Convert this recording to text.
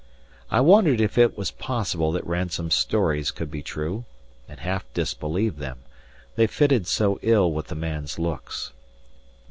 I wondered if it was possible that Ransome's stories could be true, and half disbelieved them; they fitted so ill with the man's looks.